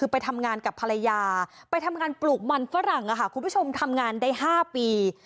คือไปทำงานกับภรรยาไปทำงานปลูกมันฝรั่งคุณผู้ชมทำงานได้๕ปี